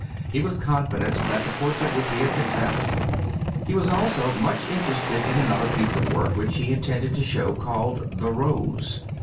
He was confident that the portrait would be a success. He was also much interested in another piece of work which he intended to show called "The Rose."